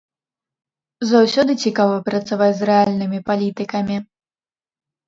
Заўсёды цікава працаваць з рэальнымі палітыкамі.